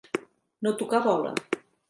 No tocar bola.